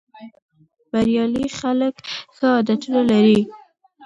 بریالي خلک ښه عادتونه لري.